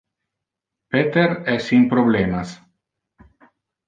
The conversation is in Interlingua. Peter es in problemas.